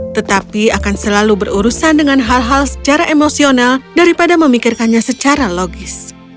tetapi akan selalu berurusan dengan hal hal secara emosional daripada memikirkannya secara logis